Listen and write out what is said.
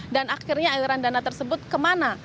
dan akhirnya aliran dana tersebut kemana